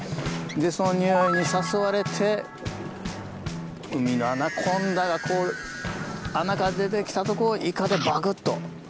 そのにおいに誘われて海のアナコンダがこう穴から出てきたとこをイカでバクっと。